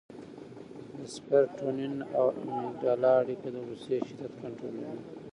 د سېرټونین او امګډالا اړیکه د غوسې شدت کنټرولوي.